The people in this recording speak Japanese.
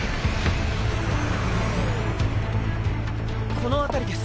この辺りです。